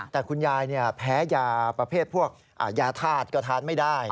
แต่คุณยายแพ้ยาประเภทพวกยาธาตุก็ทานไม่ได้